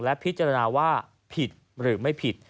และพิจารณาว่าผิดหรือไม่ผิด